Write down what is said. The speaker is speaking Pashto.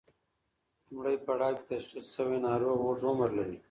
لومړی پړاو کې تشخیص شوی ناروغ اوږد عمر لري.